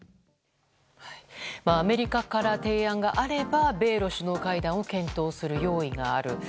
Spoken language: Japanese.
アメリカから提案があれば米ロ首脳会談を検討する用意がある。